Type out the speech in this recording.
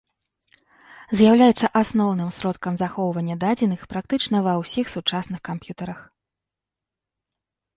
З'яўляецца асноўным сродкам захоўвання дадзеных практычна ва ўсіх сучасных камп'ютарах.